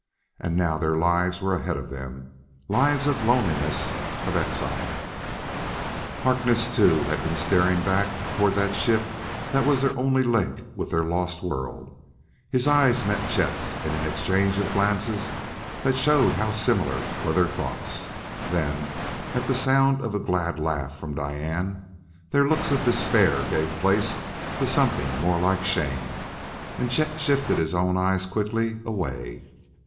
And now their lives were ahead of them lives of loneliness, of exile. Harkness, too, had been staring back toward that ship that was their only link with their lost world; his eyes met Chet's in an exchange of glances that showed how similar were their thoughts. And then, at sound of a glad laugh from Diane, their looks of despair gave place to something more like shame, and Chet shifted his own eyes quickly away.